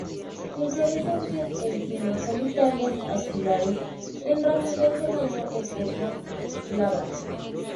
Inflorescencias: en cimas solitarias, axilares en ramillas del año en curso, glabra.